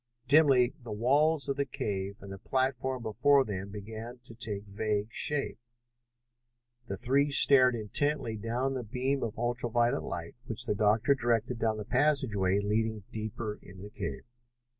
Dimly the walls of the cave and the platform before them began to take vague shape. The three stared intently down the beam of ultra violet light which the doctor directed down the passageway leading deeper into the cave.